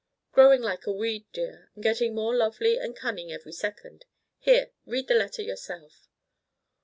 "Growing like a weed, dear, and getting more lovely and cunning every second. Here—read the letter yourself."